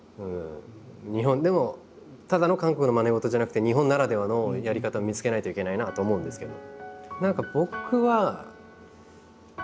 日本でもただの韓国のまね事じゃなくて日本ならではのやり方を見つけないといけないなとは思うんですけど。